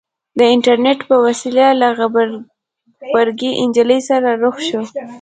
د اينټرنېټ په وسيله له غبرګې نجلۍ سره رخ شو.